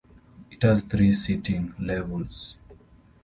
It has three seating levels.